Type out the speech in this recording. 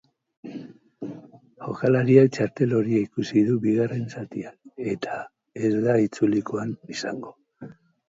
Jokalariak txartel horia ikusi du bigarren zatia, eta ez da itzulikoan izango.